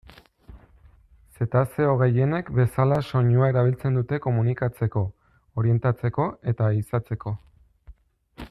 Zetazeo gehienek bezala soinua erabiltzen dute komunikatzeko, orientatzeko eta ehizatzeko.